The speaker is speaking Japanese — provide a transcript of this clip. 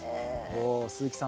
お鈴木さん